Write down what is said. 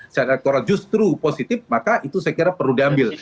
secara elektoral justru positif maka itu saya kira perlu diambil